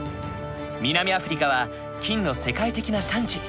南アフリカは金の世界的な産地。